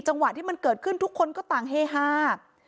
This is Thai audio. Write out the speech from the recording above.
จังหวะที่มันเกิดขึ้นทุกคนก็ต่างเฮฮา